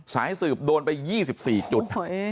สายสืบโดนไป๒๔จุด